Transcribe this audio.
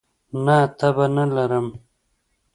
نه، تبه نه لرم